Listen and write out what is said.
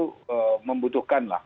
itu membutuhkan lah